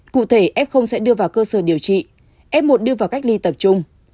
cụ thể f sẽ đưa vào cơ sở điều trị f một đưa vào cách ly tập trung